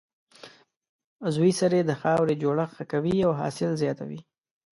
عضوي سرې د خاورې جوړښت ښه کوي او حاصل زیاتوي.